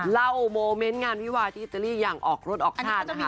เล่าโมเม้นต์งานวิวายที่เจอรี่อย่างออกรถออกท่านค่ะ